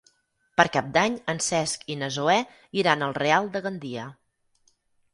Per Cap d'Any en Cesc i na Zoè iran al Real de Gandia.